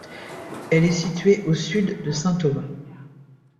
Elle est située au sud de Saint Thomas.